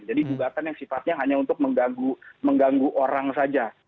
jadi gugatan yang sifatnya hanya untuk mengganggu orang saja